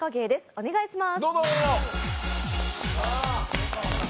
お願いします。